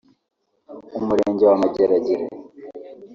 Umurenge wa Mageragere